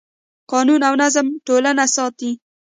قانون او نظم ټولنه ساتي.